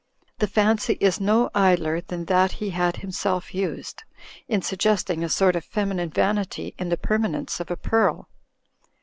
The fancy is no idler than that he had himself used, in suggesting a sort of feminine vanity in the perma nence of a pearl.